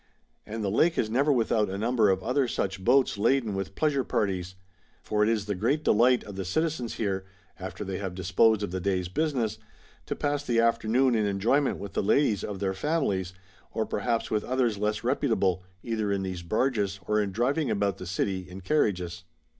And the lake is never without a number of other such boats, laden with pleasure i)arties ; for it is the great delight of the citizens here, after they have disposed of the day's business, to pass the afternoon in enjoyment witli the ladies of their families, or perhaps with others less rej)utable, either in these barges or in driving about the city in carriages.'